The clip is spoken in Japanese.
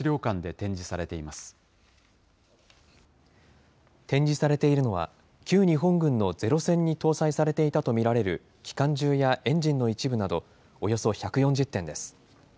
展示されているのは、旧日本軍のゼロ戦に搭載されていたと見られる機関銃やエンジンの一部などおよそ１４０点です。